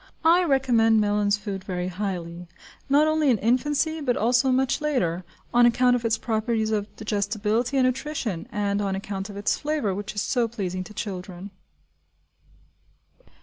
I recommend Mellin's Food very highly, not only in infancy, but also much later on account of its properties of digestibility and nutrition, and on account of its flavour, which is so pleasing to children.